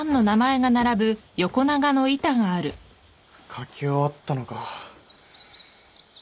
書き終わったのか。